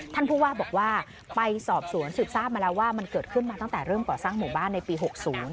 ท่านผู้ว่าบอกว่าไปสอบสวนสืบทราบมาแล้วว่ามันเกิดขึ้นมาตั้งแต่เริ่มก่อสร้างหมู่บ้านในปีหกศูนย์